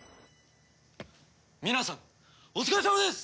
皆さんお疲れさまです！